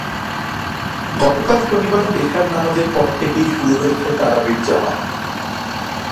গতকাল শনিবার এশার নামাজের পর থেকেই শুরু হয়েছে তারাবির জামাত।